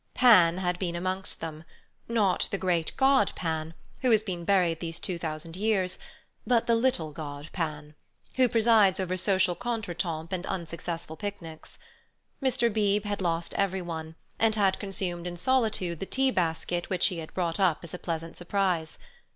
Pan had been amongst them—not the great god Pan, who has been buried these two thousand years, but the little god Pan, who presides over social contretemps and unsuccessful picnics. Mr. Beebe had lost everyone, and had consumed in solitude the tea basket which he had brought up as a pleasant surprise.